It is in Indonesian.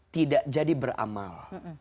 tidak jadi beramal